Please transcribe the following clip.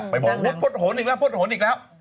ไปบอกโธทโหนอีกแล้ว